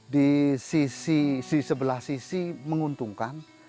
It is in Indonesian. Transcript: di sisi sebelah sisi menguntungkan